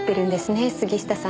杉下さんを。